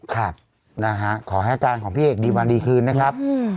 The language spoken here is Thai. ครับนะฮะขอให้อาการของพี่เอกดีวันดีคืนนะครับ